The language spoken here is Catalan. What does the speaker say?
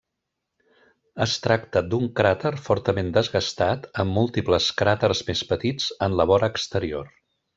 Es tracta d'un cràter fortament desgastat, amb múltiples cràters més petits en la vora exterior.